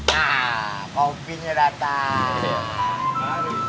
hah kopinya datang